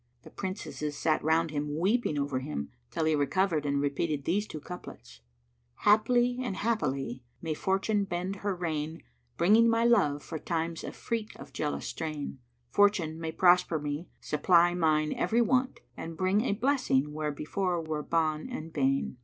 The Princesses sat round him, weeping over him, till he recovered and repeated these two couplets, "Haply and happily may Fortune bend her rein * Bringing my love, for Time's a freke of jealous strain;[FN#103] Fortune may prosper me, supply mine every want, * And bring a blessing where before were ban and bane."